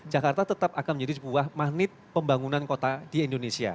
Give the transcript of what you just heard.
jakarta tetap akan menjadi sebuah magnet pembangunan kota di indonesia